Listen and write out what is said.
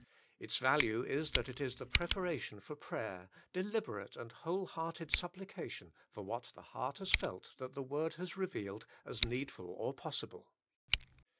Its value is that it is the preparation for prayer, delib erate and whole hearted supplication for what the heart has felt that the Word has revealed as need ful or possible.